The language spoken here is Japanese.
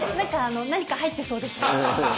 何か入ってそうでした。